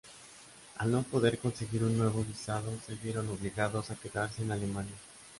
Al no poder conseguir un nuevo visado, se vieron obligados a quedarse en Alemania.